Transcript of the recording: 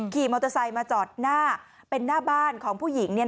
ขี่มอเตอร์ไซค์มาจอดหน้าเป็นหน้าบ้านของผู้หญิงเนี่ย